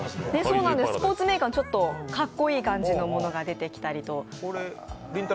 スポーツメーカーのかっこいい感じのものが出てきたりと。